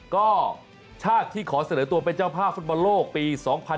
ก็ชาติที่ขอเสนอตัวเป็นเจ้าภาพฟุตบอลโลกปี๒๐๑๖